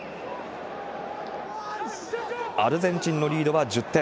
アルゼンチンのリードは１０点。